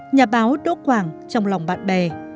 nhà báo đỗ quảng trong lòng bạn bè